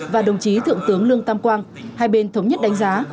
và đồng chí thượng tướng lương tam quang hai bên thống nhất đánh giá